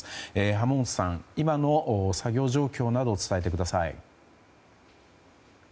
濱元さん、今の作業状況などを伝えてください。